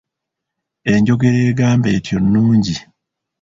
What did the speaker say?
Enjogera egamba etyo nnungi.